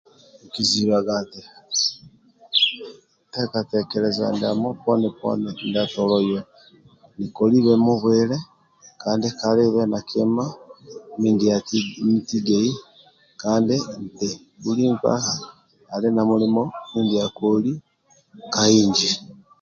Nki zibaga nti nteka tekeleza ndiamo poni poni ndia tolo yoho nikolibe mu bwile kandi kalibe nakima mindienitigei kandi ntu bhuli mkpa ali na mimo mundia akoli ka inji